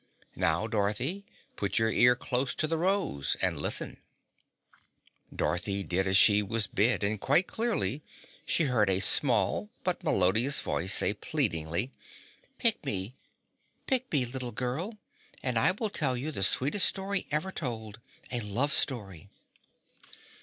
Now, Dorothy, put your ear close to the rose and listen." Dorothy did as she was bid and quite clearly she heard a small but melodious voice say pleadingly, "Pick me, pick me, little girl, and I will tell you the sweetest story ever told a love story."